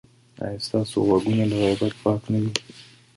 ایا ستاسو غوږونه له غیبت پاک نه دي؟